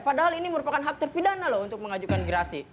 padahal ini merupakan hak terpidana loh untuk mengajukan gerasi